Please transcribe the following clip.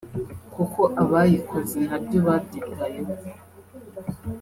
kuko abayikoze nabyo babyitayeho